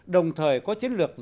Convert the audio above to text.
đồng thời có chiến lược rõ ràng